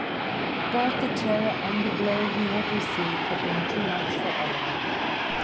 But the terror and the blow he had received had been too much for Oliver.